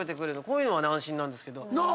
こういうのは安心なんですけど。